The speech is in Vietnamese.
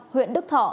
huyện đức thọ